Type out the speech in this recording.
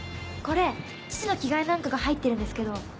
これ父の着替えなんかが入ってるんですけど。